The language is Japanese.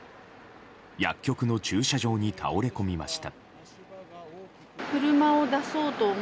薬局の駐車場に倒れ込みました。